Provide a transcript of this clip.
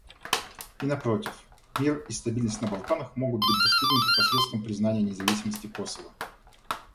И напротив, мир и стабильность на Балканах могут быть достигнуты посредством признания независимости Косово.